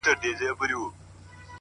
له غلیمه سو بېغمه کار یې جوړ سو٫